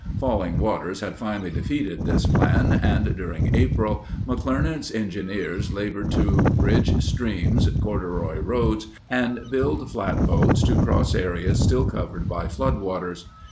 Falling waters had finally defeated this plan and, during April, McClernand's engineers labored to bridge streams, corduroy roads, and build flatboats to cross areas still covered by flood waters.